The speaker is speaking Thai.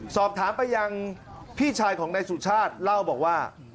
สอบถามไปยังพี่ชายของนายสุชาติเล่าบอกว่า